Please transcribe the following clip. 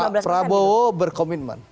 pak prabowo berkomitmen